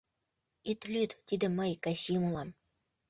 “Ит лӱд, тиде мый, Касим улам!